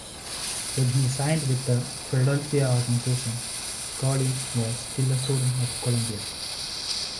When he signed with the Philadelphia organization, Collins was still a student at Columbia.